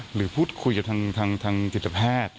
หรือพูดคุยกับทางจิตแพทย์